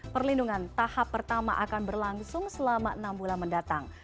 perlindungan tahap pertama akan berlangsung selama enam bulan mendatang